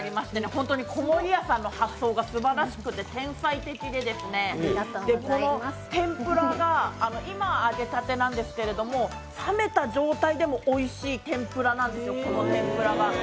本当に籠谷さんの発想がすばらしくて天才的で、天ぷらが今、揚げたてなんですけど、冷めた状態でもおいしい天ぷらなんですよ、この天ぷらが。